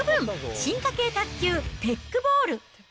進化系卓球テックボール。